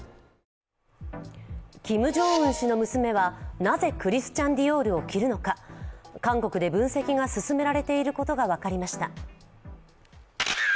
キム・ジョンウン氏の娘はなぜクリスチャン・ディオールを着るのか韓国で分析が進められていることが分かりました。